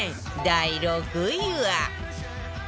第６位は